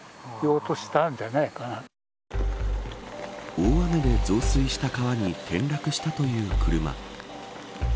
大雨で増水した川に転落したという車。